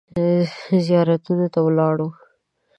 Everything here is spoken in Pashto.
زیارتونو ته ولاړو.